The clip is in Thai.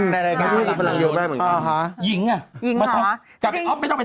วีคหนึ่งเจอมันก็๔๕วันก็ไปแล้ว